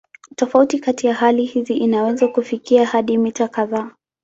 Tofauti kati ya hali hizi inaweza kufikia hadi mita kadhaa.